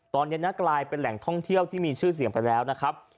ตอนนี้นะกลายเป็นแหล่งท่องเที่ยวที่มีชื่อเสียงไปแล้วนะครับ